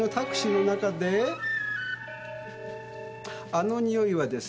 あの匂いはですね